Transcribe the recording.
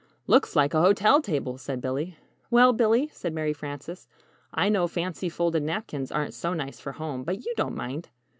"Looks like a hotel table," said Billy. "Well, Billy," said Mary Frances, "I know fancy folded napkins aren't so nice for home but you don't mind."